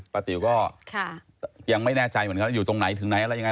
ติ๋วก็ยังไม่แน่ใจเหมือนกันอยู่ตรงไหนถึงไหนอะไรยังไง